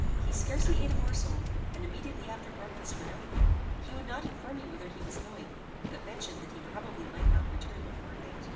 He scarcely ate a morsel, and immediately after breakfast went out again. He would not inform me whither he was going, but mentioned that he probably might not return before night."